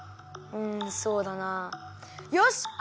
うんそうだなよし